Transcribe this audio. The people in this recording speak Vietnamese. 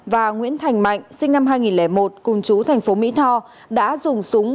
và nguyễn thành mạnh sinh năm hai nghìn một cùng chú thành phố mỹ tho đã dùng súng